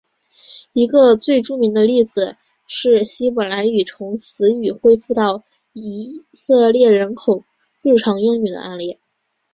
一个最著名的例子是希伯来语从死语恢复到以色列人日常用语的案例。